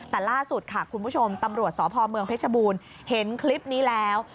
แต่ล่าสุดค่ะคุณผู้ชมตำรวจสพเมืองเพชรบูรณ์เห็นคลิปนี้แล้ว